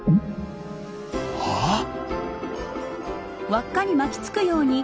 あっ！